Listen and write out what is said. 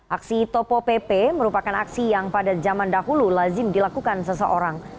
aksi topo pp merupakan aksi yang pada zaman dahulu lazim dilakukan seseorang